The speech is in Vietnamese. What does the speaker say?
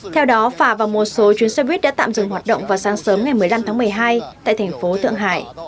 theo đó phả vào một số chuyến xe buýt đã tạm dừng hoạt động vào sáng sớm ngày một mươi năm tháng một mươi hai tại thành phố thượng hải